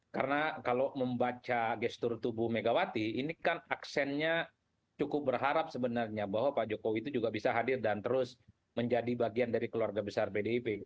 karena kalau membaca gestur tubuh megawati ini kan aksennya cukup berharap sebenarnya bahwa pak jokowi itu juga bisa hadir dan terus menjadi bagian dari keluarga besar bdip